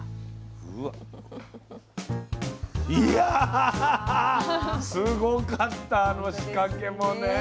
いやすごかったあの仕掛けもね。